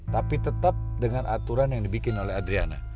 tapi tetap dengan aturan yang dibikin oleh adriana